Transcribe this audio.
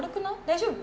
大丈夫？